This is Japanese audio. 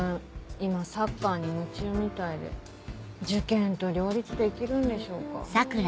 今サッカーに夢中みたいで受験と両立できるんでしょうか。